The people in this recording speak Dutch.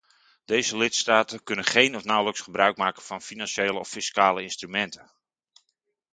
Deze lidstaten kunnen geen of nauwelijks gebruik maken van financiële of fiscale instrumenten.